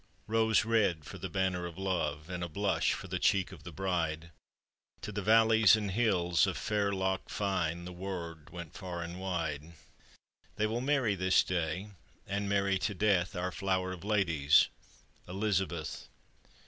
Rose red for the banner of love, And a blush for the cheek of the bride; To the valleys and hills of fair Loch Fyne The word went far and wide: They will marry this day, and marry to death, Our flower of ladies, Elizabeth.